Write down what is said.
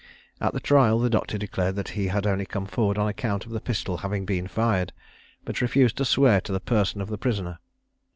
At the trial, the doctor declared that he had only come forward on account of the pistol having been fired, but refused to swear to the person of the prisoner.